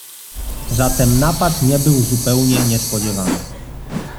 "Zatem napad nie był zupełnie niespodziewany."